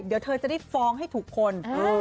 เดี๋ยวเธอจะได้ฟ้องให้ถูกคน